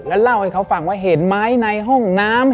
แล้วเล่าให้เขาฟังว่าเห็นไม้ในห้องน้ำ